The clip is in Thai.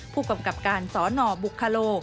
ผู้กำกับการสนบุคโล